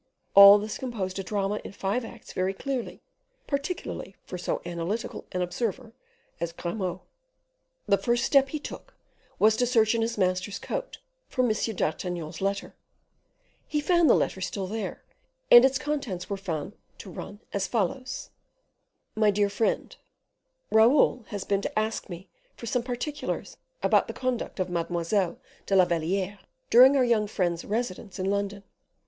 All this composed a drama in five acts very clearly, particularly for so analytical an observer as Grimaud. The first step he took was to search in his master's coat for M. d'Artagnan's letter; he found the letter still there, and its contents were found to run as follows: "MY DEAR FRIEND, Raoul has been to ask me for some particulars about the conduct of Mademoiselle de la Valliere, during our young friend's residence in London.